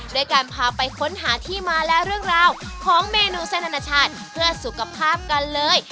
ด้วยการพาไปค้นหาที่มาและเรื่องราวของเมนูเส้นอนาชาติเพื่อสุขภาพกันเลย